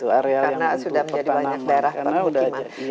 karena sudah banyak daerah pemukiman